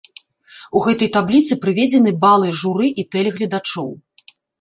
У гэтай табліцы прыведзены балы журы і тэлегледачоў.